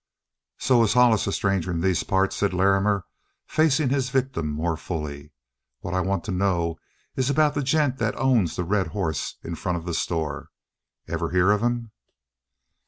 "So's Hollis a stranger in these parts," said Larrimer, facing his victim more fully. "What I want to know is about the gent that owns the red hoss in front of the store. Ever hear of him?"